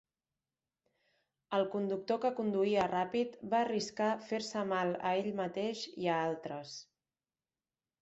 El conductor que conduïa ràpid va arriscar fer-se mal a ell mateix i a altres.